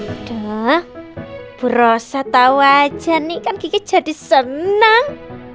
udah berusaha tahu aja nih kan kiki jadi senang